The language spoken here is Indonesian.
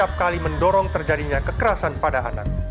dan situasi acapkali mendorong terjadinya kekerasan pada anak